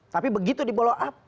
tapi begitu dibelok up